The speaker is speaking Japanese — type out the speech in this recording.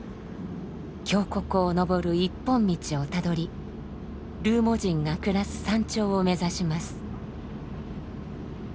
峡谷を上る一本道をたどりルーモ人が暮らす山頂を目指します。